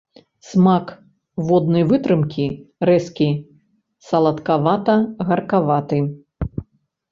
Смак воднай вытрымкі рэзкі, саладкавата-гаркаваты.